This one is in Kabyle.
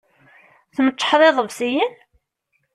Tmeččḥeḍ iḍebsiyen?